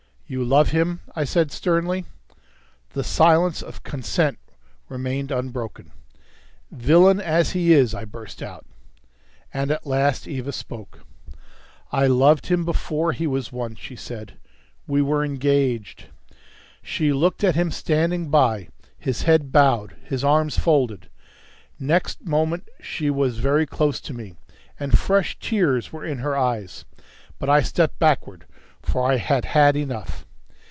"You love him?" I said sternly. The silence of consent remained unbroken. "Villain as he is?" I burst out. And at last Eva spoke. "I loved him before he was one," said she. "We were engaged." She looked at him standing by, his head bowed, his arms folded; next moment she was very close to me, and fresh tears were in her eyes. But I stepped backward, for I had had enough.